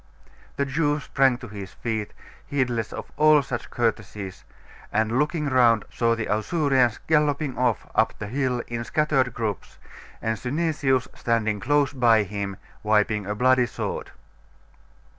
The Jew sprang to his feet, heedless of all such courtesies, and, looking round, saw the Ausurians galloping off up the hill in scattered groups, and Synesius standing close by him, wiping a bloody sword.